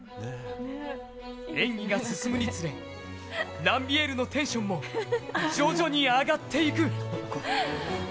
演技が進むにつれランビエールのテンションも徐々に上がっていく。